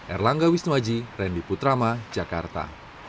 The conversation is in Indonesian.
erlangga wisnuaji randy putrama jakarta